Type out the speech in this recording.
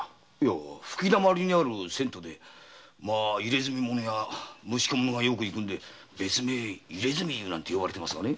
吹きだまりにある銭湯で入墨者や無宿者がよく行くんで別名「入墨湯」なんて言われていますがね。